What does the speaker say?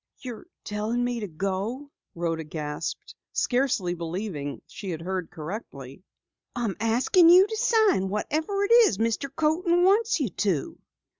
"You're telling me to go?" Rhoda gasped, scarcely believing that she had heard correctly. "I'm asking you to sign whatever it is that Mr. Coaten wants you to."